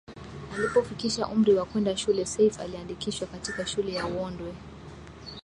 Alipofikisha umri wa kwenda shule Seif aliandikishwa katika Shule ya Uondwe